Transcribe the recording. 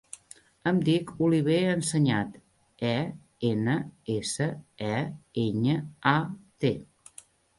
Em dic Oliver Enseñat: e, ena, essa, e, enya, a, te.